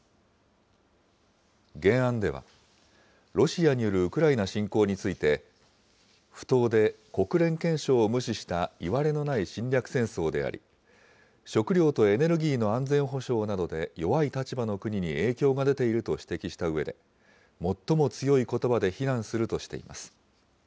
原案では、ロシアによるウクライナ侵攻について、不当で国連憲章を無視したいわれのない侵略戦争であり、食料とエネルギーの安全保障などで弱い立場の国に影響が出ていると指摘したうえで、最も強いことばで非難するとしています。